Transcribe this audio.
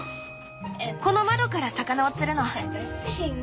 この窓から魚を釣るの。